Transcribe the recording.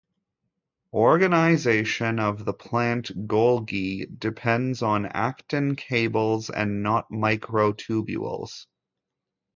Organization of the plant Golgi depends on actin cables and not microtubules.